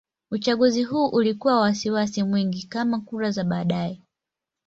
Uchaguzi huu ulikuwa na wasiwasi mwingi kama kura za baadaye.